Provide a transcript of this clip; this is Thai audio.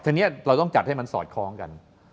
ทีนี้เราต้องจัดให้มันสอดคล้องกัน